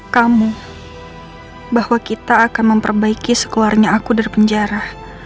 kamu bahwa kita akan memperbaiki sekeluarnya aku dari penjara